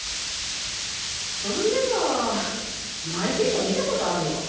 そういえば泣いてんの見た事あるわ。